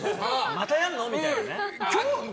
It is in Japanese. またやんの？みたいなね。